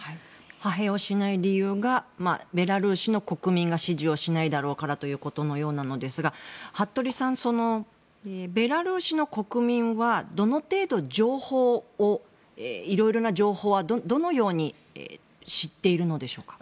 派兵をしない理由がベラルーシの国民が支持をしないだろうからということのようなのですが服部さん、ベラルーシの国民はどの程度、いろいろな情報はどのように知っているのでしょうか。